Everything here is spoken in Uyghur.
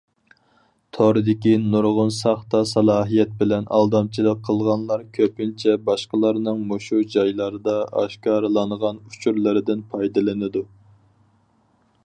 توردىكى نۇرغۇن ساختا سالاھىيەت بىلەن ئالدامچىلىق قىلغانلار كۆپىنچە باشقىلارنىڭ مۇشۇ جايلاردا ئاشكارىلانغان ئۇچۇرلىرىدىن پايدىلىنىدۇ.